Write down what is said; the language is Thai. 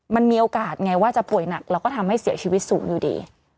มันมีโอกาสไงว่าจะป่วยหนักแล้วก็ทำให้เสียชีวิตสูงอยู่ดี